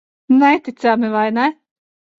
Neticami, vai ne?